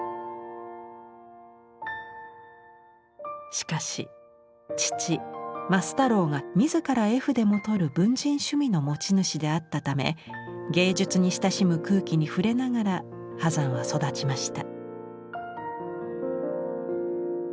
しかし父増太郎が自ら絵筆も執る文人趣味の持ち主であったため芸術に親しむ空気に触れながら波山は育ちました。